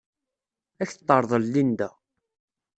Ad ak-t-terḍel Linda.